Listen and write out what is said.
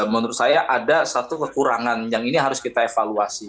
menurut saya ada satu kekurangan yang ini harus kita evaluasi